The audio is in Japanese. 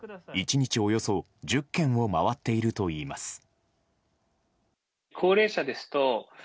１日およそ１０軒を回っているといいます。